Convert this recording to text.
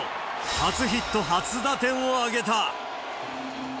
初ヒット初打点を挙げた。